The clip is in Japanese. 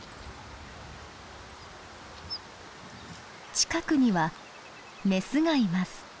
近くにはメスがいます。